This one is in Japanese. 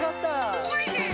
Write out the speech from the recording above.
すごいね！